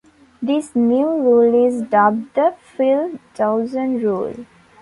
This new rule is dubbed the "Phil Dawson Rule".